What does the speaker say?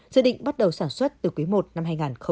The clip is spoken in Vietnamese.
dự định bắt đầu sản xuất từ quý i năm hai nghìn hai mươi